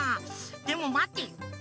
でもまてよ。